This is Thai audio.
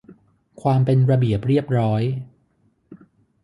ความเป็นระเบียบเรียบร้อย